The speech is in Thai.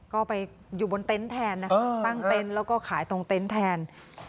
ก็ไปอยู่บนเต็นต์แทนนะคะตั้งเต็นต์แล้วก็ขายตรงเต็นต์แทน